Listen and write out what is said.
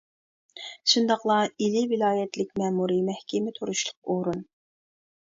شۇنداقلا ئىلى ۋىلايەتلىك مەمۇرىي مەھكىمە تۇرۇشلۇق ئورۇن.